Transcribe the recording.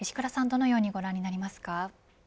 どのようにご覧になりますか。